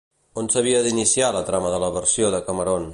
On s'havia d'iniciar la trama de la versió de Cameron?